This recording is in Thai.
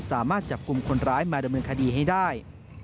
สามารถจับกลุ่มคนร้ายมาดำเนินคดีให้ได้